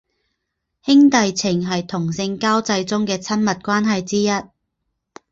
兄弟情是同性交际中的亲密关系之一。